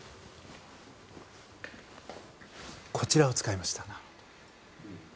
こちらを使いました。